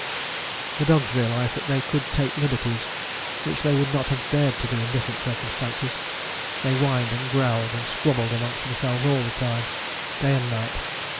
The dogs realized that they could take liberties which they would not have dared to do in different circumstances. They whined and growled, and squabbled amongst themselves all the time, day and night.